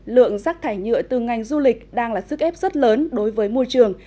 lượng rác thải nhựa từ ngành du lịch đang là sức ép rất lớn đối với môi trường